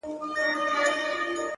د شاعرۍ ياري كړم ـ